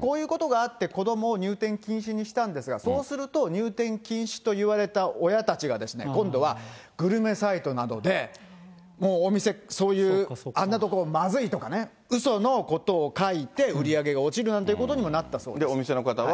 こういうことがあって、子どもを入店禁止にしたんですが、そうすると、入店禁止と言われた親たちがですね、今度はグルメサイトなどでもうお店、あんなとこまずいとかね、うそのことを書いて売り上げが落ちるなんていうことにもなったそで、お店の方は。